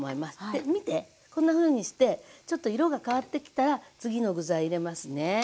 で見てこんなふうにしてちょっと色が変わってきたら次の具材入れますね。